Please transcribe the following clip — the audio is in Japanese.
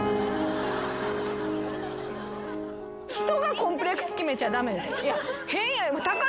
人がコンプレックス決めちゃ駄目。